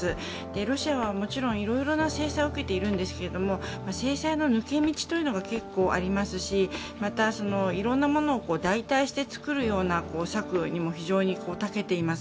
ロシアはもちろんいろいろな制裁を受けていますが、制裁の抜け道もありますしまた、いろんなものを代替して作るような策にも非常にたけています。